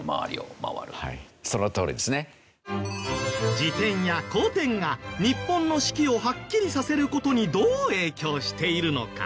自転や公転が日本の四季をはっきりさせる事にどう影響しているのか